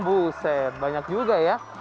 buset banyak juga ya